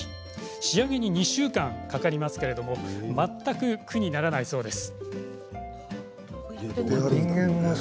仕上げに２週間かかりますが全く苦にならないそうです。